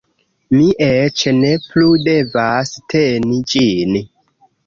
Mi eĉ ne plu devas teni ĝin